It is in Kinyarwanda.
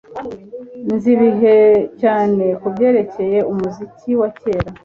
Nzi bike cyane kubyerekeye umuziki wa kera